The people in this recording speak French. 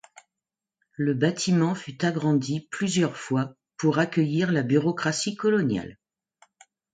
Le bâtiment fut agrandi plusieurs fois pour accueillir la bureaucratie coloniale.